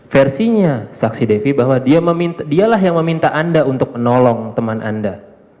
versinya saksi devi bahwa dialah yang meminta anda untuk menolong teman anda